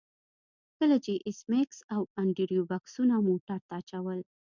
کله چې ایس میکس او انډریو بکسونه موټر ته اچول